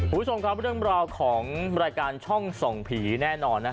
คุณผู้ชมครับเรื่องราวของรายการช่องส่องผีแน่นอน